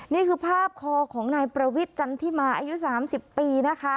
นี่คือภาพคอของนายประวิทย์จันทิมาอายุ๓๐ปีนะคะ